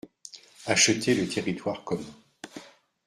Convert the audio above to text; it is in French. Acheter le territoire commun.